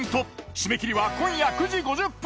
締切は今夜９時５０分！